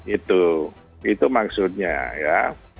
itu itu maksudnya ya